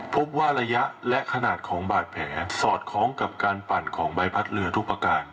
พบว่าระยะและขนาดของบาดแผลสอดคล้องกับการปั่นของใบพัดเรือทุกประการ